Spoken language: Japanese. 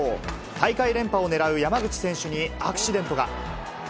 大会連覇を狙う山口選手にアクシデントが。